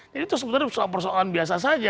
jadi itu sebetulnya persoalan biasa saja